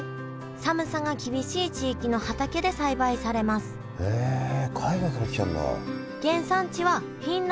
寒さが厳しい地域の畑で栽培されますへえ海外から来てるんだ。